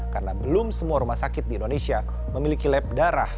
karena belum semua rumah sakit di indonesia memiliki lab darah